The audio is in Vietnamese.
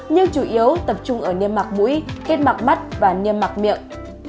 nhưng chủ yếu tập trung ở niêm mặc mũi kết mặc mắt và niêm mặc miệng